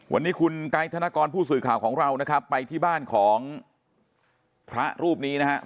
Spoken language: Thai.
วันนี้คุณไกด์ธนกรผู้สื่อข่าวของเรานะครับไปที่บ้านของพระรูปนี้นะครับ